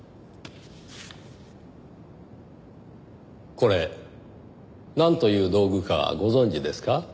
これなんという道具かご存じですか？